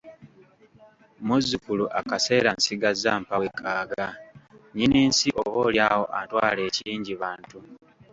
Muzzukulu akaseera nsigazizza mpawekaaga Nnyininsi oboolyawo antwale ekingi bantu!"